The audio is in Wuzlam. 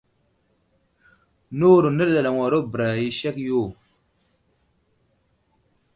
Nəwuro nəɗalaŋwaro bəra i aseh yo.